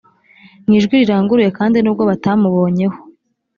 mu ijwi riranguruye kandi nubwo batamubonyeho